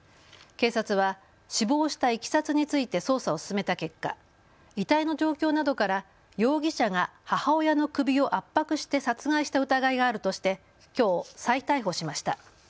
警察は死亡したいきさつについて捜査を進めた結果、遺体の状況などから容疑者が母親の首を圧迫して殺害した疑いがあるとしてきょう再逮捕しました。